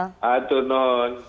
selamat ulang tahun